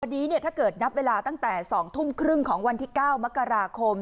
วันนี้ถ้าเกิดนับเวลาตั้งแต่๒ทุ่มครึ่งของวันที่๙มกราคม